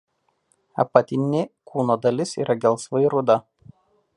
Apatinė kūno dalis yra gelsvai ruda.